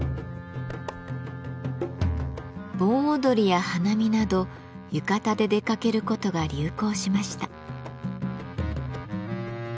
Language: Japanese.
盆踊りや花見など浴衣で出かけることが流行しました。